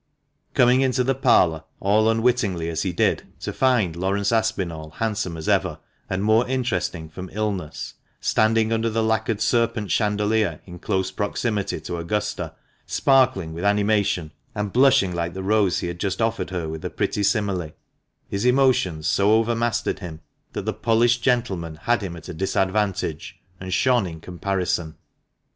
Coming into the parlour all unwittingly as he did, to find Laurence Aspinall, handsome as ever, and more interesting from illness, standing under the lacquered serpent chandelier in close proximity to Augusta, sparkling with animation, and blushing like the rose he had just offered her with a pretty simile, his emotions so overmastered him that the polished gentleman had him at a disadvantage, and shone in comparison.